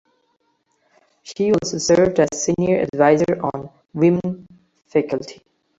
She also served as Senior Advisor on Women Faculty.